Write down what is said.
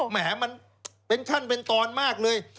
แหมมันเป็นขั้นเป็นตอนมากเลย